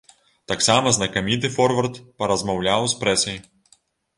Таксама знакаміты форвард паразмаўляў з прэсай.